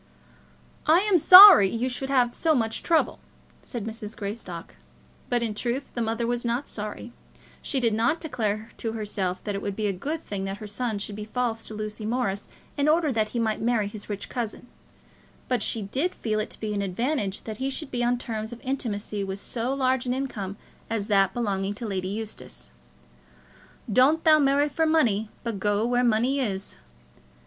"I am sorry you should have so much trouble," said Mrs. Greystock. But in truth the mother was not sorry. She did not declare to herself that it would be a good thing that her son should be false to Lucy Morris in order that he might marry his rich cousin; but she did feel it to be an advantage that he should be on terms of intimacy with so large an income as that belonging to Lady Eustace. "Doan't thou marry for munny, but goa where munny is."